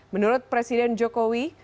menurut presiden jokowi